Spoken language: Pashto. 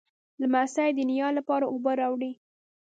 لمسی د نیا لپاره اوبه راوړي.